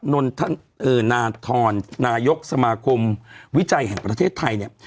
นาธรนายกสมาคมวิจัยแห่งประเทศไทยเนี่ย